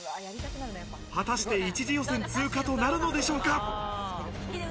果たして一次予選通過となるのでしょうか。